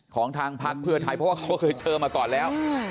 ของทางพักเพื่อไทยเพราะว่าเขาเคยเจอมาก่อนแล้ว